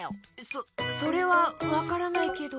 そそれはわからないけど。